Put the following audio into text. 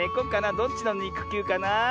どっちのにくきゅうかな。